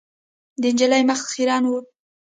د نجلۍ مخ خیرن و .